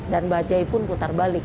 dan bajai pun putar balik